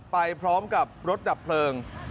ไปพร้อมกับรถดับเพลิง